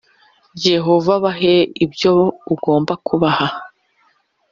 yehova, bahe ibyo ugomba kubaha